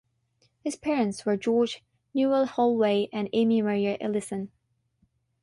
His parents were George Newell Holway and Amy Maria Ellison.